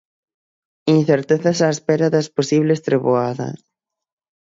Incertezas á espera das posibles treboadas.